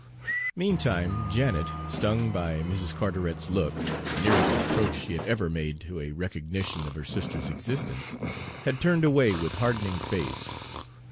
Meantime Janet, stung by Mrs. Carteret's look, the nearest approach she had ever made to a recognition of her sister's existence, had turned away with hardening face.